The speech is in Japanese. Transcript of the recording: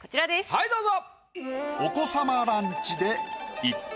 はいどうぞ。